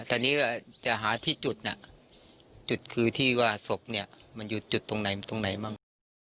แต่นี้จะหาที่จุดจุดคือที่ว่าศพมันอยู่จุดตรงไหนบ้าง